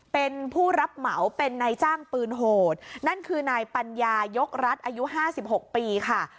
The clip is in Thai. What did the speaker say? เป็นผู้รับเหมาเป็นนายจ้างปืนโหดนั่นคือนายปัญญายกรัฐอายุ๕๖ปีค่ะ